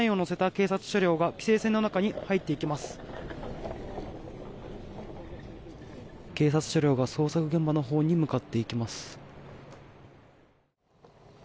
警察車両が捜索現場のほうに向かっていきます。